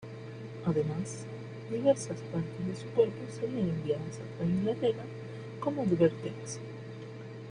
Además, diversas partes de su cuerpo serían enviadas a toda Inglaterra como advertencia.